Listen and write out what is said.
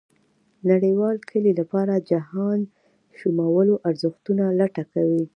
نړېوال کلي لپاره جهانشمولو ارزښتونو لټه کوي.